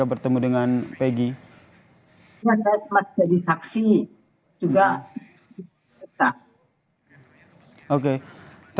hati terhadap yang mahat